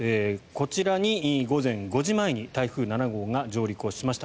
こちらに午前５時前に台風７号が上陸しました。